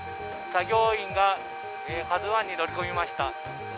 作業員が「ＫＡＺＵⅠ」に乗り込みました。